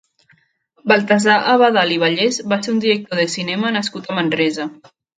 Baltasar Abadal i Vallès va ser un director de cinema nascut a Manresa.